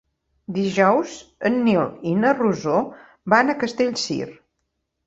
Dijous en Nil i na Rosó van a Castellcir.